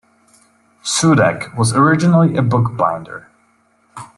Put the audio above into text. Sudek was originally a bookbinder.